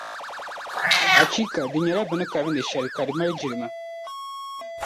Achiika! Di nyɛla bɛ ni karindi shεli, ka di mali jilma.